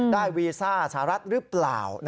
วีซ่าสหรัฐหรือเปล่า